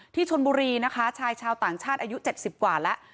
ที่ชนบุรีนะคะชายชาวต่างชาติอายุ๗๐กว่าแล้ว